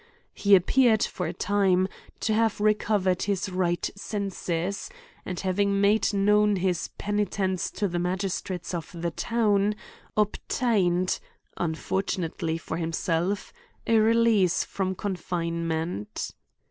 He appeared, for a time, to have recovered his right senses ; and, having made known his penitence to the magistrates of the town^ obtained, unfortunately for himself, a release from confmement.